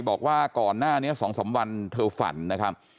บอกว่าก่อนหน้านี้๒๓วันเธอฝันนะครับ